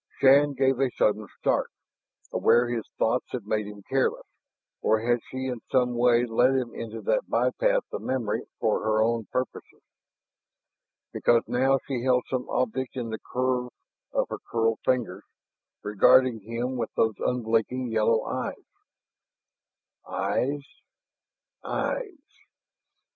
Shann gave a sudden start, aware his thoughts had made him careless, or had she in some way led him into that bypath of memory for her own purposes? Because now she held some object in the curve of her curled fingers, regarding him with those unblinking yellow eyes. Eyes ... eyes....